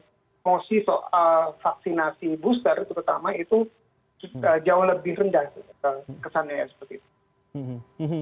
itu jauh lebih rendah kesannya seperti itu